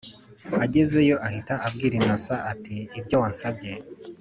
agezeyo ahita abwira innocent ati”ibyo wansabye